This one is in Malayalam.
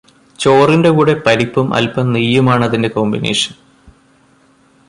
ചോറിന്റെ കൂടെ പരിപ്പും അല്പം നെയ്യുമാണതിന്റെ കോമ്പിനേഷൻ